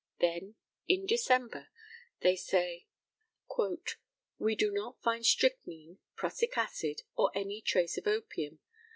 Then, in December, they say, "We do not find strychnine, prussic acid, or any trace of opium.